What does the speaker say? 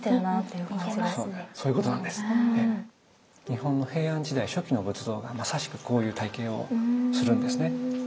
日本の平安時代初期の仏像がまさしくこういう体型をするんですね。